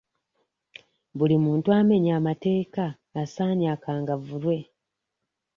Buli muntu amenya amateeka asaanye akangavvulwe.